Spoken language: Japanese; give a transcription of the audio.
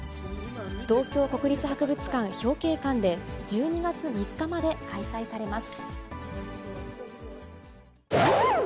東京国立博物館表慶館で１２月３日まで開催されます。